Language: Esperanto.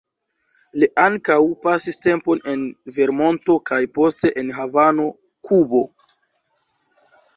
Li ankaŭ pasis tempon en Vermonto kaj poste en Havano, Kubo.